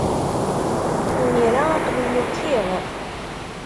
Imir-a, aql-iyi ukiɣ.